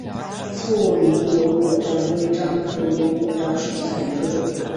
富宁油果樟为樟科油果樟属下的一个种。